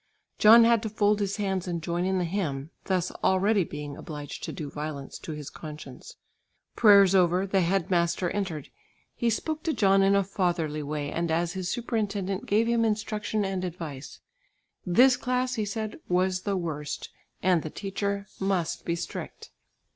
John had to fold his hands and join in the hymn, thus already being obliged to do violence to his conscience. Prayers over, the head master entered. He spoke to John in a fatherly way and as his superintendent gave him instruction and advice. This class, he said, was the worst, and the teacher must be strict.